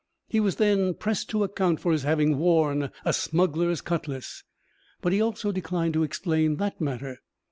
He was then pressed to account for his having worn a smuggler's cutlass; but he also declined to explain that matter.